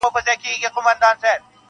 پسرلیه نن دي رنګ د خزان راوی,